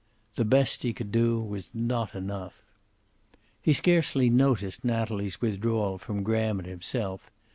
The best he could do was not enough. He scarcely noticed Natalie's withdrawal from Graham and himself.